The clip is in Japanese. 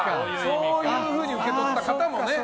そういうふうに受け取った方もね。